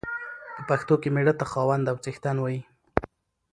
په پښتو کې مېړه ته خاوند او څښتن وايي.